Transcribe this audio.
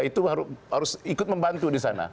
itu harus ikut membantu di sana